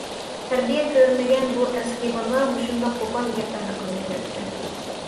تەربىيە كۆرمىگەن بۇ ئەسكى بالا مۇشۇنداق قوپال گەپلەرنى قىلىپ يۈرەتتى.